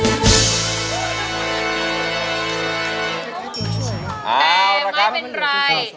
แต่ไม่เป็นไร